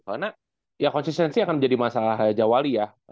karena ya konsistensi akan menjadi masalah raja wali ya